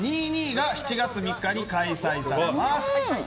’２２が７月３日に開催されます。